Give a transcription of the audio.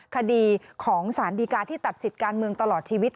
คดีของสารดีกาที่ตัดสิทธิ์การเมืองตลอดชีวิต